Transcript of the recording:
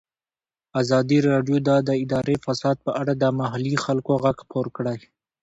ازادي راډیو د اداري فساد په اړه د محلي خلکو غږ خپور کړی.